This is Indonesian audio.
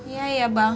iya ya bang